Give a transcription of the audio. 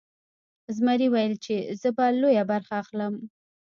زمري ویل چې زه به لویه برخه اخلم.